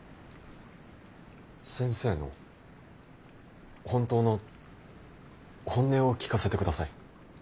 先生の本当の本音を聞かせてください。